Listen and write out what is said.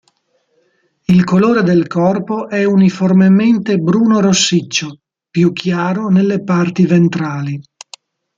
Il colore del corpo è uniformemente bruno-rossiccio, più chiaro nelle parti ventrali.